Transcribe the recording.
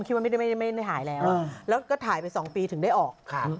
บูมคิดว่าไม่ได้หายแล้วแล้วก็ถ่ายไปสองปีถึงได้ออก